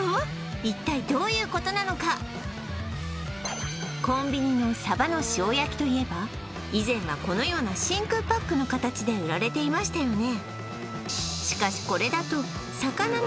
一体どういうことなのかコンビニのさばの塩焼といえば以前はこのような真空パックの形で売られていましたよね